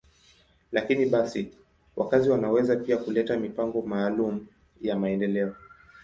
Lakini basi, wakazi wanaweza pia kuleta mipango maalum ya maendeleo.